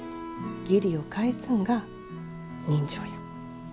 義理を返すんが人情や。